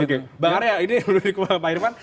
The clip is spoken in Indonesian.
oke bank arya ini menurut pak irvan